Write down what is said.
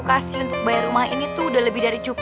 as diamond ngerumak